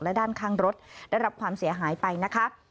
และด้านข้างรถได้รับความเสียหายไปนะคะ